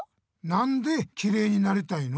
なんできれいになりたいの？